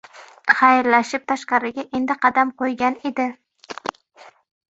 Xayrlashib, tashqariga endi qadam qoʻygan edi